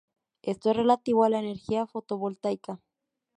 Esto es relativo a la energía fotovoltaica.